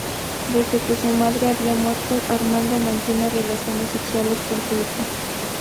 Desde que su madre había muerto, Armando mantiene relaciones sexuales con su hija.